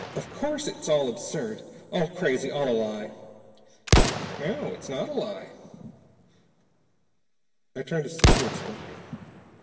Of course it's all absurd. All crazy. All a lie." "No. It's not a lie." I turned to see who had spoken.